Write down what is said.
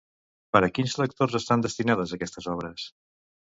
Per a quins lectors estan destinades aquestes obres?